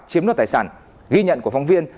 chiếm đoạt tài sản ghi nhận của phóng viên